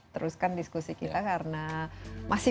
termasuk ini ya jadi